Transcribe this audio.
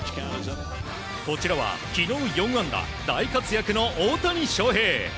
こちらは、昨日４安打大活躍の大谷翔平。